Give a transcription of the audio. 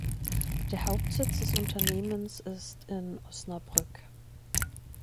Der Hauptsitz des Unternehmens ist in Osnabrück.